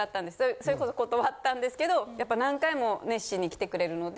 それこそ断ったんですけどやっぱ何回も熱心に来てくれるので。